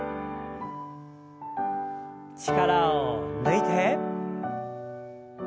力を抜いて。